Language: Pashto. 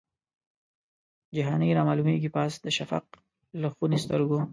جهاني رامعلومیږي پاس د شفق له خوني سترګو